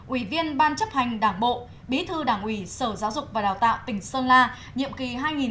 ủy viên ban chấp hành đảng bộ bí thư đảng ủy sở giáo dục và đào tạo tỉnh sơn la nhiệm kỳ hai nghìn một mươi năm hai nghìn hai mươi